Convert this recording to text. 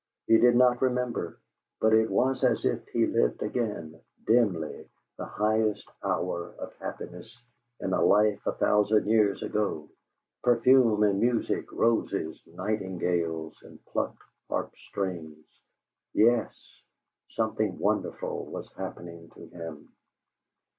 He did not remember, but it was as if he lived again, dimly, the highest hour of happiness in a life a thousand years ago; perfume and music, roses, nightingales and plucked harp strings. Yes; something wonderful was happening to him.